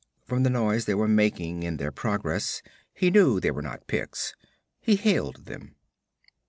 From the noise they were making in their progress he knew they were not Picts. He hailed them.